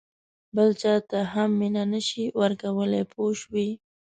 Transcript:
بل چاته هم مینه نه شې ورکولای پوه شوې!.